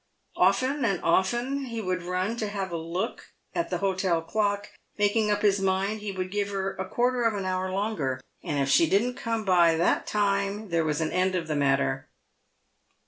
Often and often he would run to have a look at the hotel clock, making up his mind he would give her a quarter of an hour longer, and if she didn't come by that time there was an end of the matter.